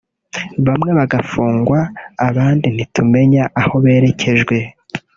bamwe bagafungwa abandi ntitumenya aho berekejwe